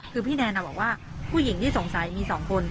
คือพี่แนนบอกว่าผู้หญิงที่สงสัยมี๒คน